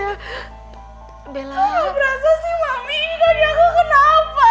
aku enggak berasa sih mami ini kaki aku kenapa